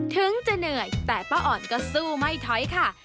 ถึงจะเหนื่อยแต่ป้าอ่อนก็สู้ไม่ถอยค่ะ